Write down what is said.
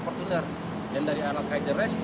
portunder yang dari alam kajeres